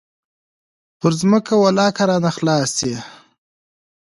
پر ځمکه ولله که رانه خلاص سي.